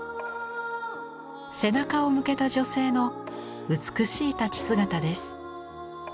背中を向けた女性の美しい立ち姿です。